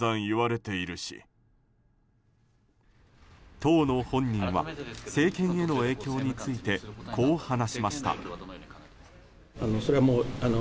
当の本人は政権への影響についてこう話しました。